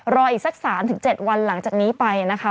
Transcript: รออีกสัก๓๗วันหลังจากนี้ไปนะคะ